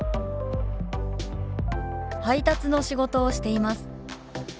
「配達の仕事をしています」。